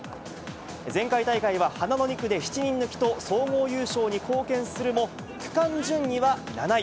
前回大会では花の２区で７人抜きと、総合優勝に貢献するも区間順位は７位。